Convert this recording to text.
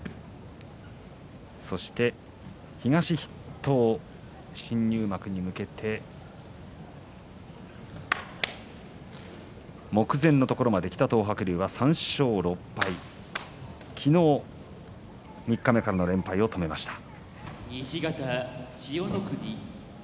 そして東筆頭の新入幕に向けて目前のところまできた東白龍は３勝６敗昨日、三日目からの連敗を止めました。